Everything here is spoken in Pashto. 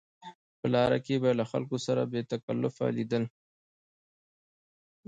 په لاره کې به یې له خلکو سره بې تکلفه لیدل.